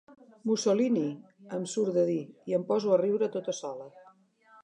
Mussolini! —em surt de dir, i em poso a riure tota sola.